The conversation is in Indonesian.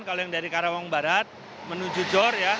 kalau yang dari karawang barat menuju jor ya